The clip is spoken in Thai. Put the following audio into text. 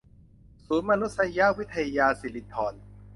ศูนย์มานุษยวิทยาสิรินธร